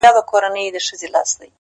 • وایم بخت مي تور دی لکه توره شپه ,